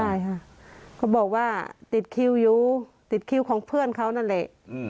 ใช่ค่ะเขาบอกว่าติดคิวอยู่ติดคิวของเพื่อนเขานั่นแหละ